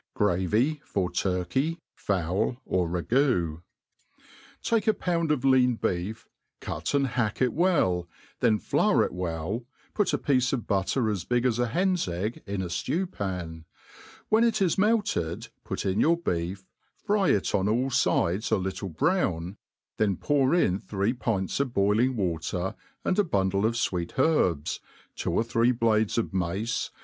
Gravy for Turkey j Fowl^ or Ragoo, TAKE a pound of lean beef, cut and hack it well, then flour it well, put a piece of butter as big as^a hen's egg in a ftew pan ; when it is melted, put in your beef, fry it gi) all fides a little brown, then pour in three pints of boiling water,^ and a bundle of fweet herbs, two or three blades of m^ce.